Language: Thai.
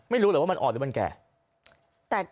ไม่รู้หรอกว่ามันอ่อนหรือมันแก่